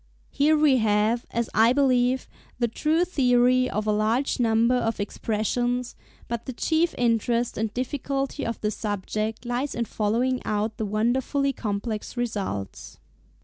Here we have, as I believe, the true theory of a large number of expressions; but the chief interest and difficulty of the subject lies in following out the wonderfully complex results.